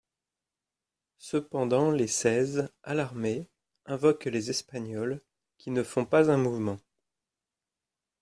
Cependant les Seize, alarmés, invoquent les Espagnols, qui ne font pas un mouvement.